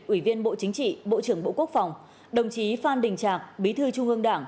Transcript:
ủy viên bộ chính trị bộ trưởng bộ quốc phòng đồng chí phan đình trạc bí thư trung ương đảng